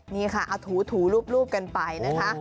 นี่ค่ะถูรูปกันไป